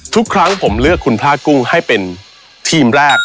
ทุกครั้งผมเลือกคุณพลาดกุ้งให้เป็นทีมแรก